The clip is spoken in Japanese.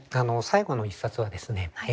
最後の一冊はですね